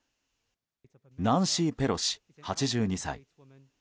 ナンシー・ペロシ、８２歳。